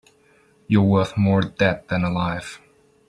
You're worth more dead than alive.